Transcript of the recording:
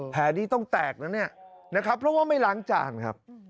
ดีต้องแตกนะเนี่ยนะครับเพราะว่าไม่ล้างจานครับ